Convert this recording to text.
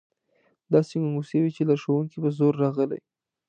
داسې ګنګوسې وې چې لارښوونکي په زور راغلي.